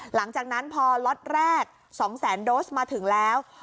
หลังจากนั้นพอล็อตแรก๒แสนโดสมาถึงแล้ว